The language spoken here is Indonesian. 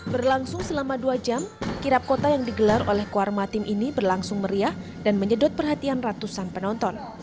berlangsung selama dua jam kirap kota yang digelar oleh kuarmatim ini berlangsung meriah dan menyedot perhatian ratusan penonton